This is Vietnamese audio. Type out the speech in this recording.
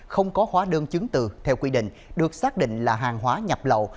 không có hóa đơn chứng từ theo quy định được xác định là hàng hóa nhập lậu